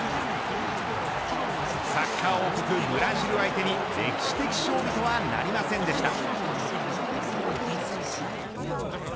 サッカー王国ブラジル相手に歴史的勝利とはなりませんでした。